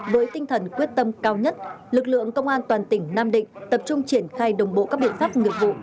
với tinh thần quyết tâm cao nhất lực lượng công an toàn tỉnh nam định tập trung triển khai đồng bộ các biện pháp nghiệp vụ